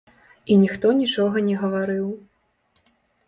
І ніхто нічога не гаварыў.